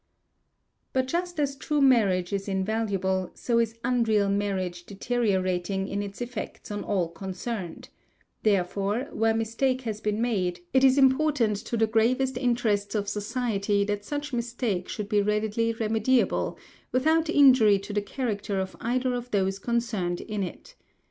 But just as true marriage is invaluable, so is unreal marriage deteriorating in its effects on all concerned: therefore, where mistake has been made, it is important to the gravest interests of society that such mistake should be readily remediable, without injury to the character of either of those concerned in it.